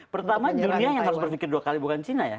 pertama dunia yang harus berpikir dua kali bukan china ya